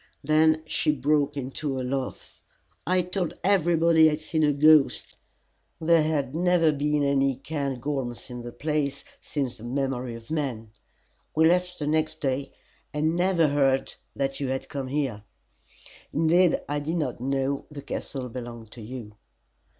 Then she broke into a laugh. "I told everybody I had seen a ghost; there had never been any Cairngorms in the place since the memory of man. We left the next day, and never heard that you had come there; indeed, I did not know the castle belonged to you."